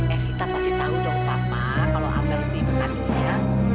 evita pasti tahu dong papa kalau amel itu ibu kandungnya